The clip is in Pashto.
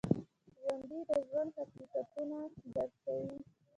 ژوندي د ژوند حقیقتونه درک کوي